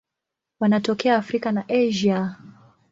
Wanatokea Afrika na Asia.